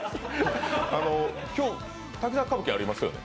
今日、「滝沢歌舞伎」ありますよね？